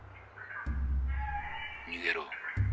☎逃げろ。